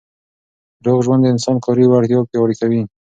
روغ ژوند د انسان کاري وړتیا پیاوړې کوي.